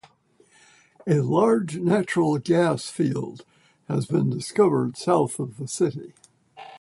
A large natural gas field has been discovered south of the city.